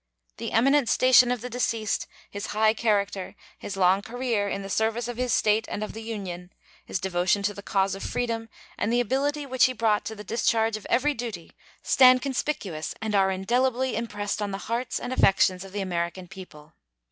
The eminent station of the deceased, his high character, his long career in the service of his State and of the Union, his devotion to the cause of freedom, and the ability which he brought to the discharge of every duty stand conspicuous and are indelibly impressed on the hearts and affections of the American people.